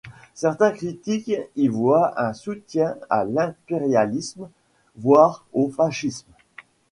Certains critiques y voient un soutien à l’impérialisme, voire au fascisme.